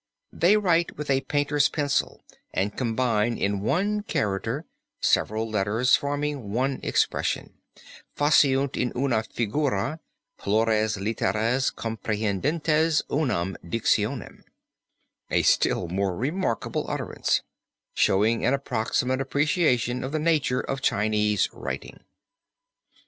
"They write with a painter's pencil and combine in one character several letters, forming one expression: 'faciunt in una figura plures literas comprehendentes unam dictionem'" a still more remarkable utterance, showing an approximate apprehension of the nature of Chinese writing.